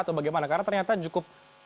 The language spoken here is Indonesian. karena ternyata cukup